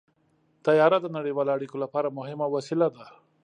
طیاره د نړیوالو اړیکو لپاره مهمه وسیله ده.